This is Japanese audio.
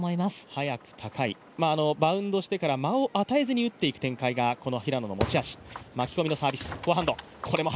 速く高い、バウンドしてから間を与えずに打っていく展開が平野の持ち味。